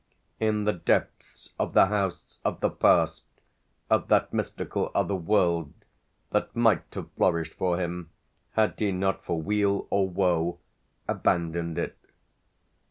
in the depths of the house, of the past, of that mystical other world that might have flourished for him had he not, for weal or woe, abandoned it.